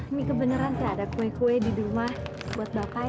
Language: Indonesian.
ini kebeneran sih ada kue kue di rumah buat bapak ya